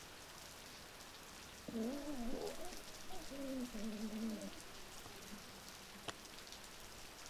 Los dos intentan mantener cualquier evidencia de que estaban juntos en secreto.